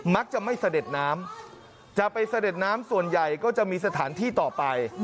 จะไม่เสด็จน้ำจะไปเสด็จน้ำส่วนใหญ่ก็จะมีสถานที่ต่อไป